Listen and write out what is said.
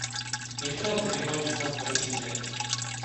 Některé druhy mají význam v medicíně.